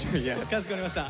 かしこまりました。